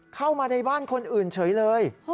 เข้ามาในบ้านคนอื่นเฉยเลย